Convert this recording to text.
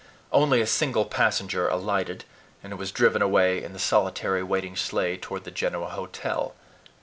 Only a single passenger alighted, and was driven away in the solitary waiting sleigh toward the Genoa Hotel.